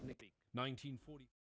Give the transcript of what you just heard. hội đồng bảo an phủ quyết